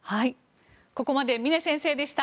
ここまで峰先生でした。